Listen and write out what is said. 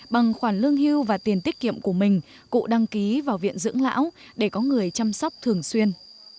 bằng khoản lương hưu và tiền tiết kiệm của mình cụ đăng ký vào viện dưỡng lão để có người chăm sóc thường xuyên